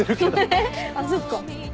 あっそっか。